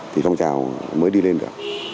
thì phong trào mới đi lên được